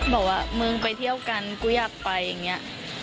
บอกว่ามึงไปเที่ยวกันกูอยากไปอย่างนี้